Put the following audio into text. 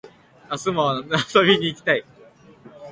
明日も遊びに行きたい